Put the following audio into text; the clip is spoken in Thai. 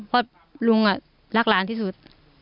เพราะลุงรักหลานที่สุด